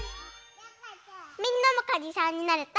みんなもかにさんになれた？